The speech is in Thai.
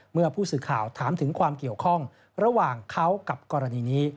เมื่อผู้สื่อข่าวถามถึงความเกี่ยวข้องระหว่างเขากับกรณีนี้